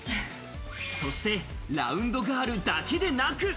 そしてラウンドガールだけでなく。